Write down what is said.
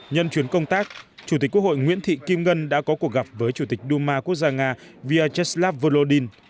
nhân chuyến công tác chủ tịch quốc hội nguyễn thị kim ngân đã có cuộc gặp với chủ tịch đu ma quốc gia nga vyacheslav volodin